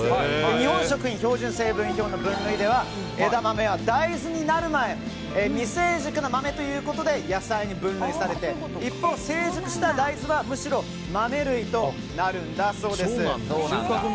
日本食品標準成分表の分類では枝豆は大豆になる前未成熟の豆ということで野菜に分類されて一方、成熟した大豆は豆類となるんだそうです。